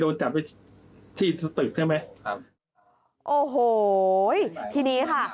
โอ้โหทีนี้ค่ะ